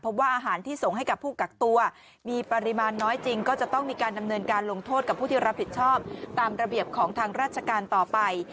เพราะว่าอาหารที่ส่งให้กับผู้กักตัวมีปริมาณน้อยจริงก็จะต้องมีการดำเนินการลงโทษกับผู้ที่รับผิดชอบตามระเบียบของทางราชการต่อไป